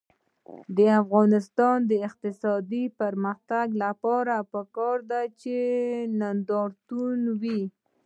د افغانستان د اقتصادي پرمختګ لپاره پکار ده چې نندارتون وي.